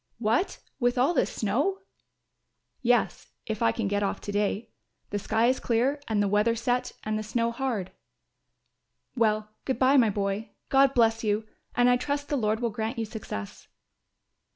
"What, with all this snow!" "Yes, if I can get off to day; the sky is clear and the weather set and the snow hard." "Well, good bye, my boy. God bless you and I trust the Lord will grant you success."